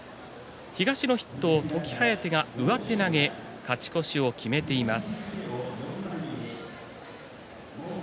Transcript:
東の筆頭、時疾風上手投げ勝ち越しを決めています。